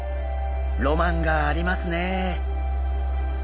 ロマンがありますね。